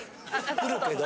・来るけど。